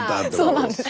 そうなんです。